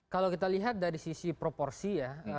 kalau kita lihat dari sisi proporsi ya